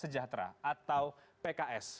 sejahtera atau pks